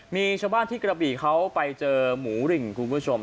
มีชาวบ้านที่กระบี่เขาไปเจอหมูริงคุณผู้ชม